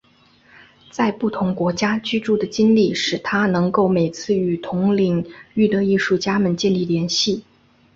在不同国家居住的经历使他能够每次与同领域的艺术家们建立联系。